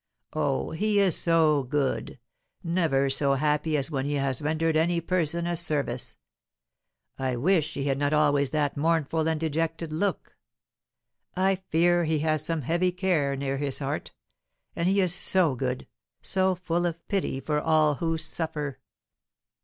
Oh, he is so good, never so happy as when he has rendered any person a service. I wish he had not always that mournful and dejected look. I fear he has some heavy care near his heart; and he is so good, so full of pity for all who suffer.